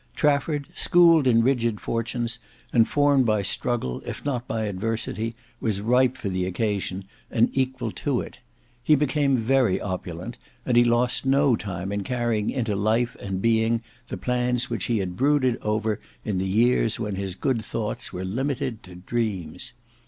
Trafford, schooled in rigid fortunes, and formed by struggle, if not by adversity, was ripe for the occasion, and equal to it. He became very opulent, and he lost no time in carrying into life and being the plans which he had brooded over in the years when his good thoughts were limited to dreams.